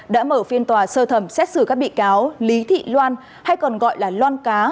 đã mở phiên tòa sơ thẩm xét xử các bị cáo lý thị loan hay còn gọi là loan cá